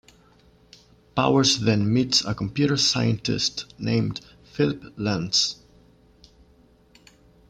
Powers then meets a computer scientist named Philip Lentz.